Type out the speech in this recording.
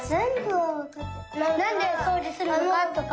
なんでそうじするのかとか。